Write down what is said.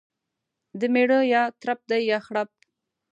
دميړه يا ترپ دى يا خرپ.